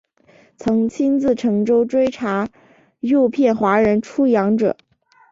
曾亲自乘舟追查诱骗华人出洋者。